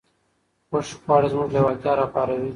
خوښې خواړه زموږ لېوالتیا راپاروي.